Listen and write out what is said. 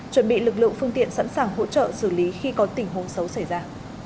chuẩn bị lực lượng phương tiện sẵn sàng hỗ trợ xử lý khi có tình huống xấu xảy ra